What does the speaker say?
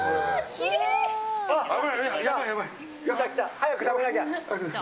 早く食べなきゃ！